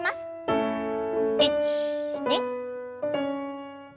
１２。